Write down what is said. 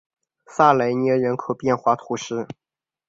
萨莱涅人口变化图示